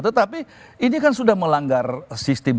tetapi ini kan sudah melanggar sistem